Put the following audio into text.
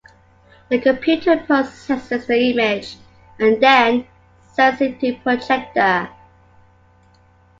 The computer processes the image and then sends it to a projector.